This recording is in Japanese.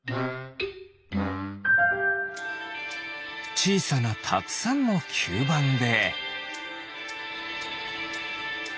ちいさなたくさんのきゅうばんで。